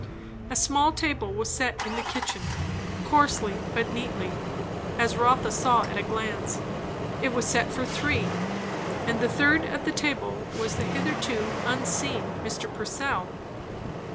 A small table was set in the kitchen, coarsely but neatly, as Rotha saw at a glance. It was set for three; and the third at the table was the hitherto unseen Mr. Purcell.